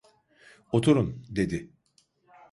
"Oturun!" dedi.